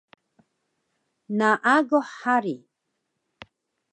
Naaguh hari